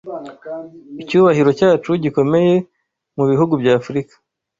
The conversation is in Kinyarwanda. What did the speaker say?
Icyubahiro cyacu gikomeye, Mubihugu bya Afrika